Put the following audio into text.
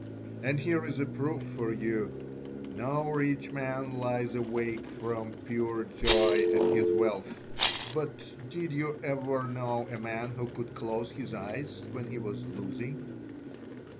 And here is a proof for you: no rich man lies awake from pure joy at his wealth, but did you ever know a man who could close his eyes when he was losing?"